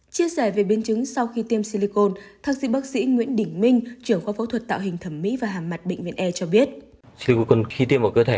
chia sẻ về biến chứng sau khi tiêm silicon thạc sĩ bác sĩ nguyễn đình minh trưởng khoa phẫu thuật tạo hình thẩm mỹ và hàm mặt bệnh viện e cho biết